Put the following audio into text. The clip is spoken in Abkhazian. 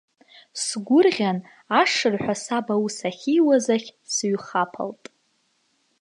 Сгәырӷьан, ашырҳәа саб аус ахьиуаз ахь сыҩхаԥалт.